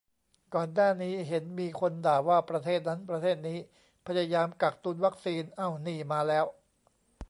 ก่อนหน้านี้เห็นมีคนด่าว่าประเทศนั้นประเทศนี้พยายามกักตุนวัคซีน เอ้า นี่ มาแล้ว